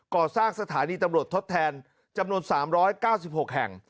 ก่อสร้างสถานีตำรวจทดแทนจำนวน๓๙๖แห่ง